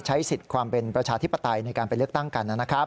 ใช้สิทธิ์ความเป็นประชาธิปไตยในการไปเลือกตั้งกันนะครับ